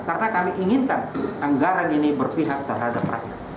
karena kami inginkan anggaran ini berpihak terhadap